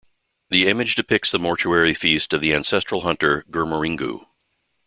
The image depicts the mortuary feast of the ancestral hunter Gurrmirringu.